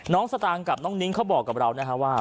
สตางค์กับน้องนิ้งเขาบอกกับเรานะฮะว่า